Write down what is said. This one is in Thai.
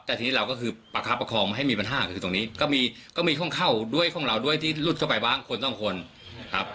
แต่ทีนี้เราก็คือประคับประคองให้มีปัญหาก็คือตรงนี้ก็มีก็มีห้องเข้าด้วยของเราด้วยที่หลุดเข้าไปบ้างคนต้องคนนะครับ